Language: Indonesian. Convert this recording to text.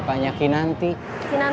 jangan minta kali siang